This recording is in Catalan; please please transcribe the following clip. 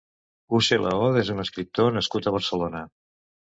Use Lahoz és un escriptor nascut a Barcelona.